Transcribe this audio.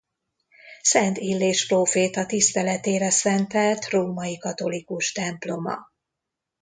Szent Illés próféta tiszteletére szentelt római katolikus temploma.